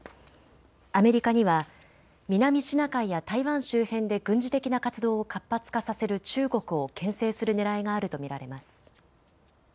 アメリカには南シナ海や台湾周辺で軍事的な活動を活発化させる中国をけん制するねらいがあると見られます。